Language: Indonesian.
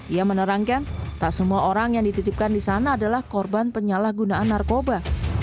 ia menerangkan tak semua orang yang dititipkan di sana adalah korban penyalahgunaan narkoba